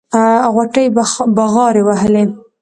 غوټۍ بغاري وهلې.